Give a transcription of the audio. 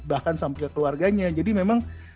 bahkan sampai ke keluarganya jadi memang